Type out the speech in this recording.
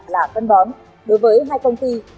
là phân bón đối với hai công ty